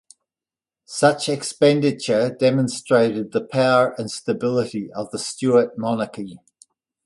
Such expenditure demonstrated the power and stability of the Stuart monarchy.